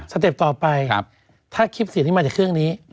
เต็ปต่อไปถ้าคลิปเสียงนี้มาจากเครื่องนี้